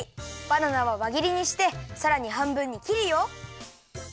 バナナはわぎりにしてさらにはんぶんにきるよ。